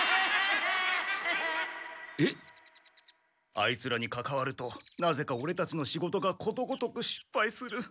アイツらにかかわるとなぜかオレたちの仕事がことごとくしっぱいする。